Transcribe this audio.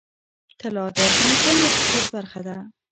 طلا د افغانستان د اقتصاد برخه ده.